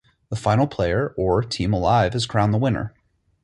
The final player or team alive is crowned the winner.